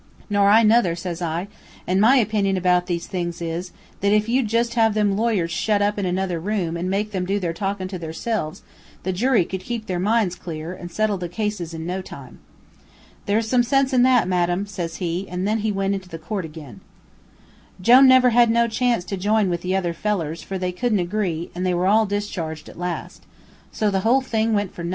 "'Nor I nuther,' says I, 'an' my opinion about these things is, that if you'd jus' have them lawyers shut up in another room, an' make 'em do their talkin' to theirselves, the jury could keep their minds clear, and settle the cases in no time.' "'There's some sense in that, madam,' says he, an' then he went into court ag'in. "Jone never had no chance to jine in with the other fellers, for they couldn't agree, an' they were all discharged, at last. So the whole thing went for nuthin.